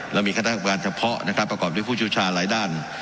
และมีคัตรการเฉพาะประกอบด้วยผู้ชิวชาห์หลายด้าน